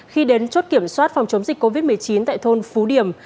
khi đến chốt kiểm soát phòng chống dịch covid một mươi chín tại thôn phú điểm